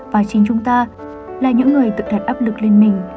và chính chúng ta là những người tự thật áp lực lên mình